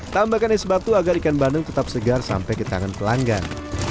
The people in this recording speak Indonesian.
tambahkan es batu agar ikan bandeng tetap segar sampai ke tangan pelanggan